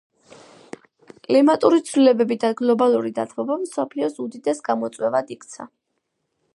კლიმატური ცვლილებები და გლობალური დათბობა მსოფლიოს უდიდეს გამოწვევად იქცა